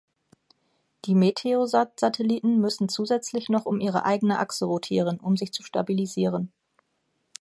Die Meteosat-Satelliten müssen zusätzlich noch um ihre eigene Achse rotieren, um sich zu stabilisieren.